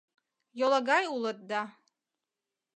Йолагай улыт да...